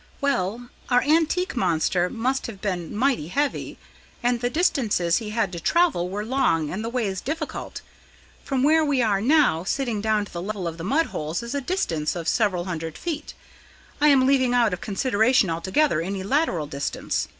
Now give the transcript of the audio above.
"Well, our antique monster must have been mighty heavy, and the distances he had to travel were long and the ways difficult. From where we are now sitting down to the level of the mud holes is a distance of several hundred feet I am leaving out of consideration altogether any lateral distance.